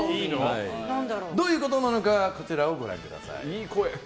どういうことなのかこちらをご覧ください。